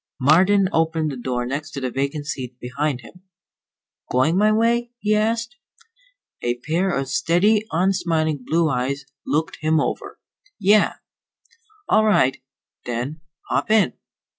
Marden opened the door next to the vacant seat beside him. "Going my way?" he asked. A pair of steady, unsmiling blue eyes looked him over. "Yeah." "All right, then. Hop in."